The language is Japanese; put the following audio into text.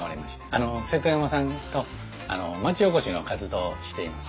あの瀬戸山さんと町おこしの活動をしています。